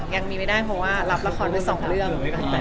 ยังไม่ได้เพราะว่ารับละครไปสองเรื่อง